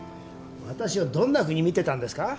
私をどんなふうに見てたんですか？